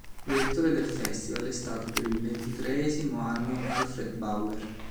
Direttore del festival è stato per il ventitreesimo anno Alfred Bauer.